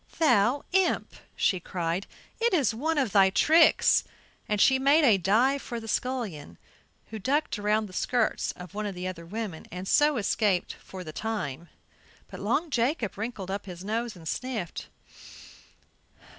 "Thou imp," she cried, "it is one of thy tricks," and she made a dive for the scullion, who ducked around the skirts of one of the other women and so escaped for the time; but Long Jacob wrinkled up his nose and sniffed.